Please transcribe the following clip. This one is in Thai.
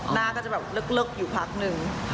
หน้าก็จะแบบลึกอยู่พักหนึ่ง